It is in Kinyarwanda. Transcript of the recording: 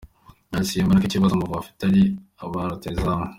Yagize ati:” Simbona ko ikibazo Amavubi afite ari ba rutahizamu.